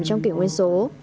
trong kỷ nguyên số